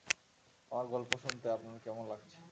আমার গল্প শুনতে আপনার কেমন লাগছে?